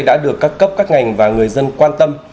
đã được các cấp các ngành và người dân quan tâm